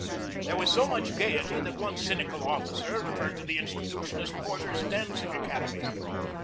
There was so much gay ety that one cynical officer referred to the institu tion as "Porter's Dancing Academy."